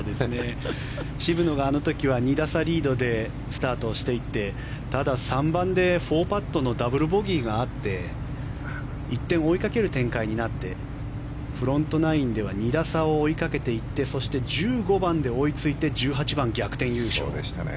渋野があの時は２打差リードでスタートしていってただ３番で４パットのダブルボギーがあって一転追いかける展開になってフロントナインでは２打差を追いかけていって１５番で追いついて１８番、逆転優勝。